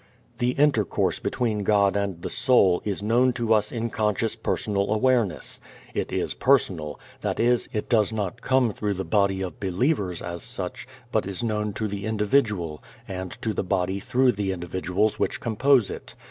This intercourse between God and the soul is known to us in conscious personal awareness. It is personal: that is, it does not come through the body of believers, as such, but is known to the individual, and to the body through the individuals which compose it.